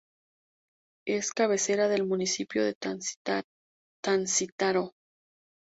Es cabecera del municipio de Tancítaro.